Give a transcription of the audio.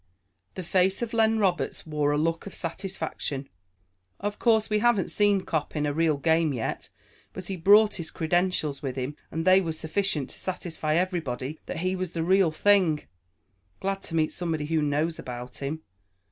The face of Len Roberts wore a look of satisfaction. "Of course, we haven't seen Cop in a real game yet, but he brought his credentials with him, and they were sufficient to satisfy everybody that he was the real thing. Glad to meet somebody who knows about him.